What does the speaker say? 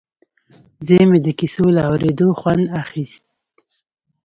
زوی مې د کیسو له اورېدو خوند اخیست